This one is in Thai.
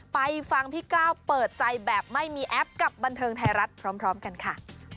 ไปฟังพี่กล้าวเปิดใจแบบไม่มีแอปกับบันเทิงไทยรัฐพร้อมกันค่ะ